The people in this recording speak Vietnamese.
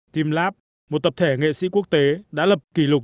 tim lab một tập thể nghệ sĩ quốc tế đã lập kỷ lục